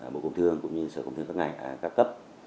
bộ công thương cũng như sở công thương các ngành các cấp